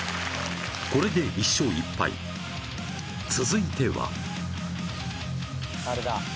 これで１勝１敗続いては誰だ？